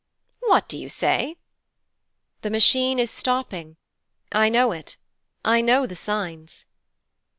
'What do you say?' 'The Machine is stopping, I know it, I know the signs.'